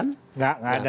nggak nggak ada